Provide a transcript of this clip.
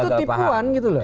itu tipuan gitu loh